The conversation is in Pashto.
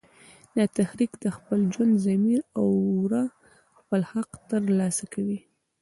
دا تحریک د خپل ژوندي ضمیر د اوره خپل حق تر لاسه کوي